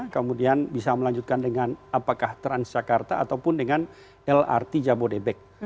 kemudian bisa melanjutkan dengan apakah transjakarta ataupun dengan lrt jabodebek